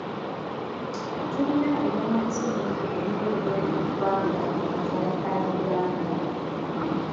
Tulina ebyamaguzi bingi ebiva ebweru w'eggwanga ku katale ka Uganda.